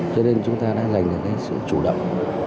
cho nên chúng ta đã giành được cái sự chủ động